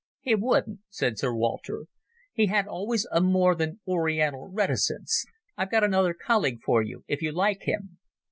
"He wouldn't," said Sir Walter. "He had always a more than Oriental reticence. I've got another colleague for you, if you like him."